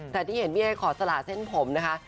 แต่ที่เห็นพี่เอ๊ขอสละเส้นผมนะคะ